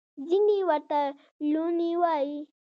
ځینې ورته لوني وايي.